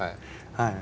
はい。